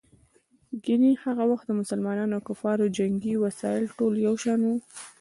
ګیني هغه وخت د مسلمانانو او کفارو جنګي وسایل ټول یو شان وو.